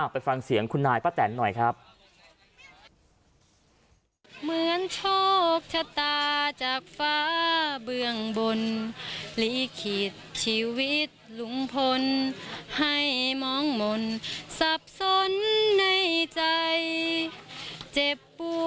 ไปฟังเสียงคุณนายป้าแตนหน่อยครับ